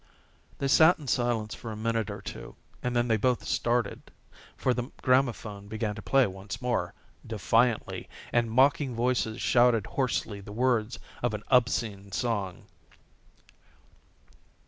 They sat in silence for a minute or two and then they both started, for the gramophone began to play once more, defiantly, and mocking voices shouted hoarsely the words of an obscene song.